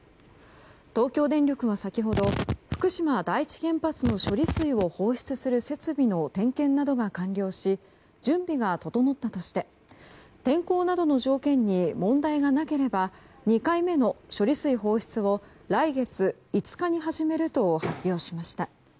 東京電力は先ほど福島第一原発の処理水を放出する設備の点検などが完了し準備が整ったとして天候などの条件に問題がなければ２回目の処理水放出を来月５日に始めると発表しました。